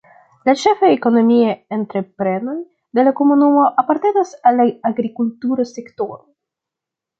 La ĉefaj ekonomiaj entreprenoj de la komunumo apartenas al la agrikultura sektoro.